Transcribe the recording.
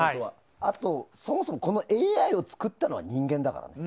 あと、そもそもＡＩを作ったのは人間だからね。